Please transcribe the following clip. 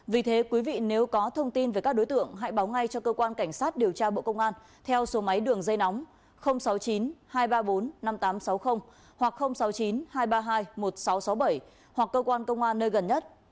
vì thế quý vị nếu có thông tin về các đối tượng hãy báo ngay cho cơ quan cảnh sát điều tra bộ công an theo số máy đường dây nóng sáu mươi chín hai trăm ba mươi bốn năm nghìn tám trăm sáu mươi hoặc sáu mươi chín hai trăm ba mươi hai một nghìn sáu trăm sáu mươi bảy hoặc cơ quan công an nơi gần nhất